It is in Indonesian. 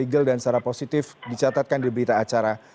legal dan secara positif dicatatkan di berita acara